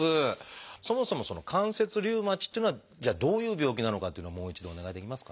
そもそも関節リウマチっていうのはじゃあどういう病気なのかっていうのをもう一度お願いできますか？